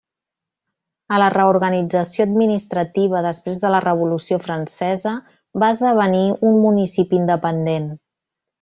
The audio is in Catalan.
A la reorganització administrativa després de la revolució francesa va esdevenir un municipi independent.